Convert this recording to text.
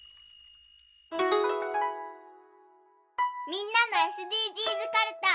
みんなのＳＤＧｓかるた。